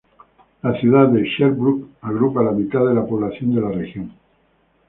La ciudad de Sherbrooke agrupa la mitad de la población de la región.